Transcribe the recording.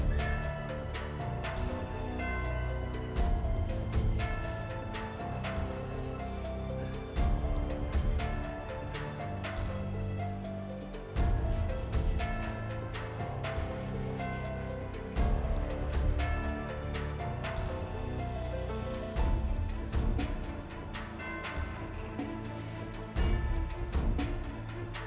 jauh jauh apa